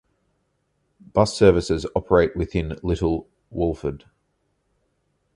Bus services operate within Little Wolford.